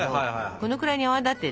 このくらいに泡立て。